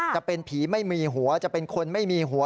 จะเป็นผีไม่มีหัวจะเป็นคนไม่มีหัว